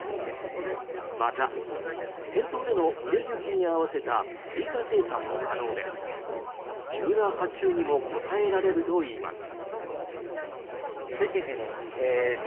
また、店頭での売れ行きに合わせた追加生産も可能で急な発注にも応えられるといいます。